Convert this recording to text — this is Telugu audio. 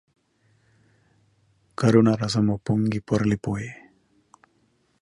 కరుణరసము పొంగి పొరలిపోయె